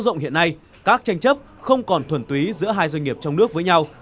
rộng hiện nay các tranh chấp không còn thuần túy giữa hai doanh nghiệp trong nước với nhau